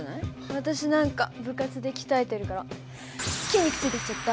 私なんか部活で鍛えてるから筋肉ついてきちゃった！